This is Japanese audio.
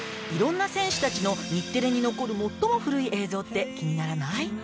いろんな選手たちの日テレに残る最も古い映像って気にならない？